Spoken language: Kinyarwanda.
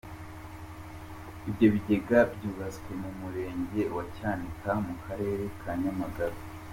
Ibyo bigega byubatswe mu Murenge wa Cyanika mu karere ka Nyamagabe.